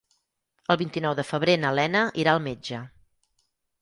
El vint-i-nou de febrer na Lena irà al metge.